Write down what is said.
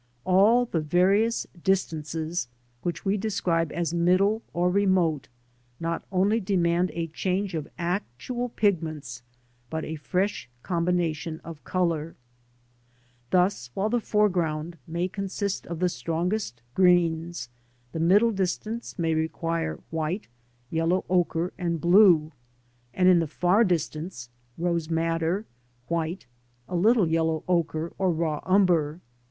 All the various distances, which we describe as middle or remote, not only demandi a change of actual pigments, but a fresh combination of colouj;. Thus, while the fore ground may consist^oT the strongest greens, the middle distance may require white, yellow ochre and blue, and in the far distance, rose madder, white, a little yellow ochre or raw umber.